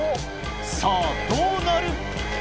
さぁどうなる？